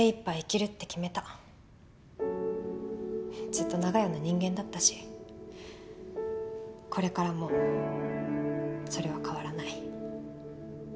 ずっと長屋の人間だったしこれからもそれは変わらない。